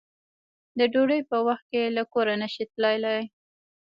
د ډوډۍ په وخت کې له کوره نشې تللی